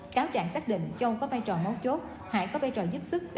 cáo trạng xác định châu có vai trò mấu chốt hải có vai trò giúp sức